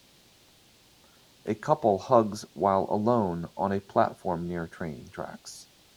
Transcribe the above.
A couple hugs while alone on a platform near train tracks.